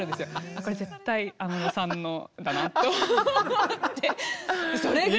これ絶対安室さんのだなと思って。